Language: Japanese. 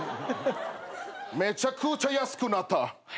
めちゃくちゃ安くなった。